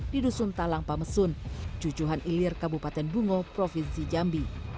di dusun talang pamesun jujuhan ilir kabupaten bungo provinsi jambi